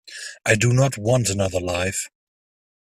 I do not want another life.